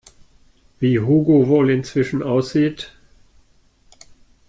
Wie Hugo wohl inzwischen aussieht?